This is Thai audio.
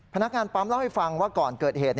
พนักงานปั๊มเล่าให้ฟังว่าก่อนเกิดเหตุ